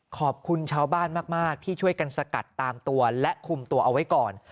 ขอบคุณชาวบ้านมากที่ช่วยกันสกัดตามตัวและคุมตัวเอาไว้ก่อน